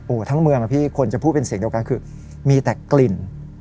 ทั้งเมืองนะพี่คนจะพูดเป็นเสียงเดียวกันคือมีแต่กลิ่น